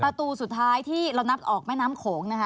สุดท้ายที่เรานัดออกแม่น้ำโขงนะคะ